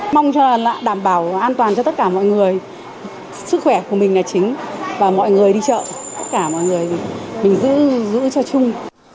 mong cho là đảm bảo an toàn cho tất cả mọi người sức khỏe của mình là chính và mọi người đi chợ tất cả mọi người mình giữ cho chung